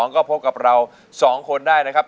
ก็พบกับเรา๒คนได้นะครับ